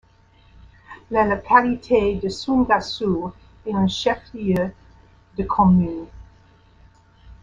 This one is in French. La localité de Soungassou est un chef-lieu de commune.